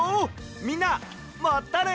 みんなまたね！